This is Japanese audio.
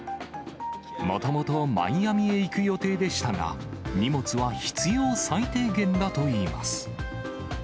もともとマイアミへ行く予定でしたが、荷物は必要最低限だといいます。